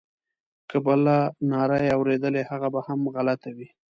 که بله ناره یې اورېدلې هغه به هم غلطه وي.